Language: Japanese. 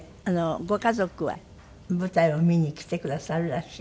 ご家族は舞台を見に来てくださるらしい？